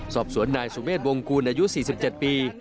สอบสวนนายสุเมฆวงกูลอายุ๔๗ปี